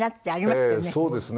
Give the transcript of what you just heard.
ええそうですね。